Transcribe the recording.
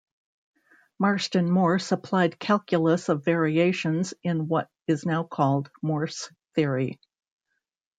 Marston Morse applied calculus of variations in what is now called Morse theory.